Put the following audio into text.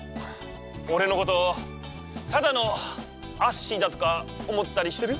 おれのことただのアッシーだとか思ったりしてる？